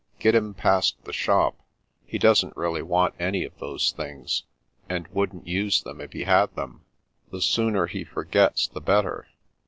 Get him past the shop. He doesn't really want any of those things, and wouldn't use them if he had them. The sooner he forgets the better."